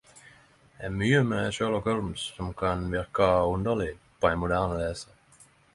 Det er mykje med Sherlock Holmes som kan verka underleg på ein moderne lesar.